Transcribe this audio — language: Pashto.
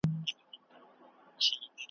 زه دي نه پرېږدم ګلابه چي یوازي به اوسېږې `